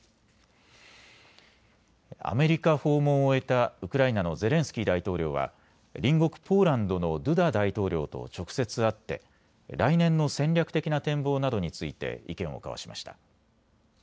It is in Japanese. アメリカ訪問を終えたウクライナのゼレンスキー大統領は隣国ポーランドのドゥダ大統領と直接会って来年の戦略的な展望などについて意見を交わしました。